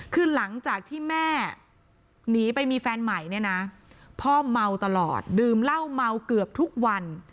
คือหลังจากที่แม่หนีไปมีแฟนใหม่เนี่ยนะพ่อเมาตลอดดื่มเหล้าเมาเกือบทุกวัน